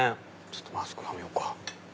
ちょっとマスクはめようか。